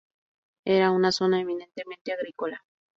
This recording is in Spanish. Era una zona eminentemente agrícola.